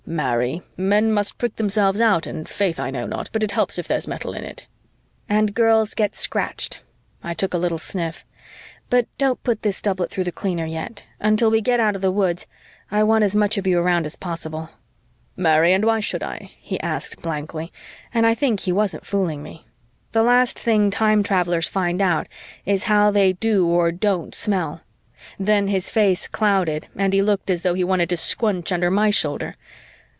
"Marry, men must prick themselves out and, 'faith I know not, but it helps if there's metal in it." "And girls get scratched." I took a little sniff. "But don't put this doublet through the cleaner yet. Until we get out of the woods, I want as much you around as possible." "Marry, and why should I?" he asked blankly, and I think he wasn't fooling me. The last thing time travelers find out is how they do or don't smell. Then his face clouded and he looked as though he wanted to squunch under my shoulder.